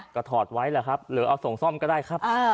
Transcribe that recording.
ก็ถอดไว้แหละครับหรือเอาส่งซ่อมก็ได้ครับ